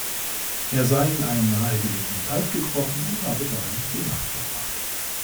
Er sei in einen nahegelegenen Teich gekrochen und habe darin die Nacht verbracht.